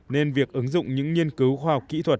nên việc ứng dụng những nghiên cứu khoa học kỹ thuật